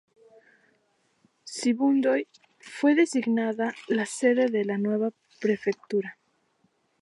Sibundoy fue designada la sede de la nueva prefectura.